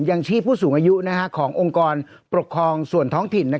ยังชีพผู้สูงอายุขององค์กรปกครองส่วนท้องถิ่น